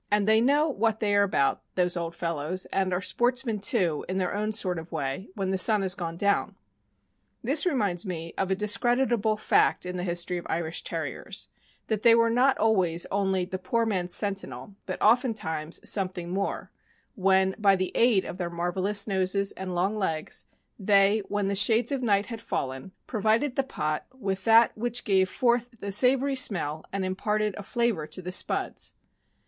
And they know what they are about, those old fellows, and are sportsmen, too, in their own sort of way, when the sun has gone down. This reminds me of a discreditable fact in the history of Irish Terriers, that they were not always only "the poor man's sentinel," but oftentimes something more, when by the aid of their marvelous noses and long legs they, when the shades of night had fallen, provided the pot with that which gave forth the savory smell and imparted a flavor to the "spuds."